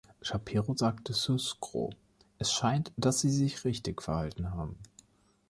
Shapiro sagte zu Sgro: „Es scheint, dass Sie sich richtig verhalten haben.